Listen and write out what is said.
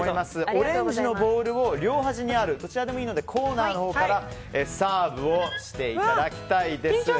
オレンジのボールを両端にあるどちらでもいいのでコーナーのほうからサーブをしていただきたいです。